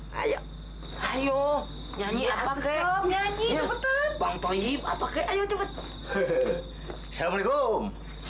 hai hai hai ayo nyanyi apa kek nyanyi betul bangtoyip apa kek ayo cepet hehehe assalamualaikum